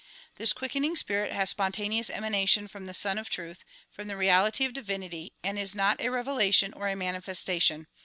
This quickening spirit has spontaneous emanation from the Sun of Truth, from the reality of divinity and is not a revelation or a manifestation.